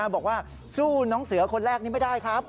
บอกว่าสู้น้องเสือคนแรกนี้ไม่ได้ครับ